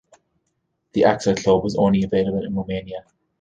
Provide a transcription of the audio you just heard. The Axel Club was only available in Romania.